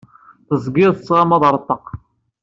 Tezgiḍ tettɣamaḍ ar ṭṭaq.